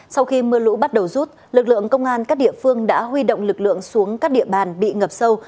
sau khi mưa lũ bắt đầu rút lực lượng công an các địa phương đã huy động lực lượng xuống các địa bàn bị ngập sâu